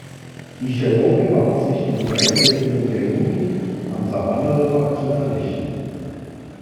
Die Cherokee beabsichtigten, weitere Siedlungen der Yuchi am Savannah River zu vernichten.